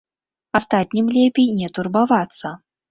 Астатнім лепей не турбавацца.